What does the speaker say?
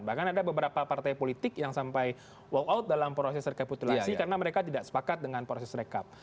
bahkan ada beberapa partai politik yang sampai walk out dalam proses rekapitulasi karena mereka tidak sepakat dengan proses rekap